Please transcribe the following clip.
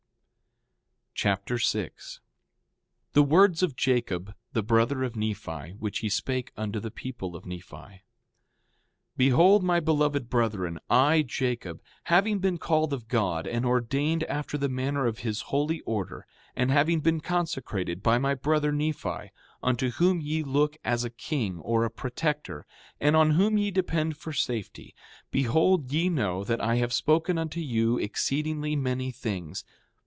2 Nephi Chapter 6 6:1 The words of Jacob, the brother of Nephi, which he spake unto the people of Nephi: 6:2 Behold, my beloved brethren, I, Jacob, having been called of God, and ordained after the manner of his holy order, and having been consecrated by my brother Nephi, unto whom ye look as a king or a protector, and on whom ye depend for safety, behold ye know that I have spoken unto you exceedingly many things.